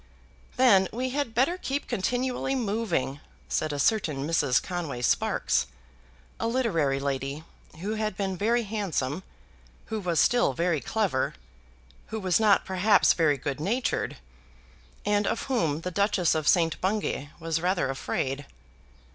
"Then we had better keep continually moving," said a certain Mrs. Conway Sparkes, a literary lady, who had been very handsome, who was still very clever, who was not perhaps very good natured, and of whom the Duchess of St. Bungay was rather afraid.